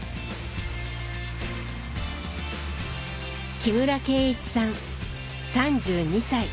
木村敬一さん３２歳。